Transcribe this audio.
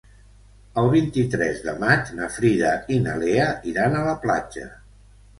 El vint-i-tres de maig na Frida i na Lea iran a la platja.